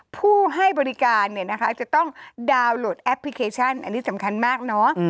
ผู้ให้บริการเนี่ยนะคะจะต้องดาวน์โหลดแอปพลิเคชันอันนี้สำคัญมากเนอะ